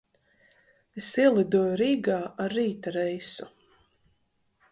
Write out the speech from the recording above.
Es ielidoju Rīgā ar rīta reisu.